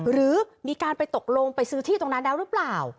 หรือมีการไปตกลงไปซื้อที่ตรงนั้นแล้วหรือเปล่า